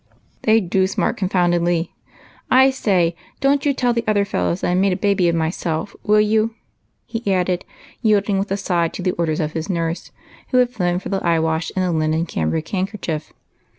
"They do smart confoundedly. I say, don't you tell the other fellows that I made a baby of myself, will you ?" he added, yielding with a sigh to the orders of his nurse, who had flown for the eye wash and linen cambric handkerchief.